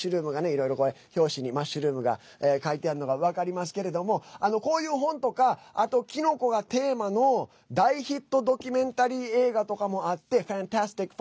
いろいろ表紙にマッシュルームが描いてあるのが分かりますけれどもこういう本とかあと、キノコがテーマの大ヒットドキュメンタリー映画とかもあって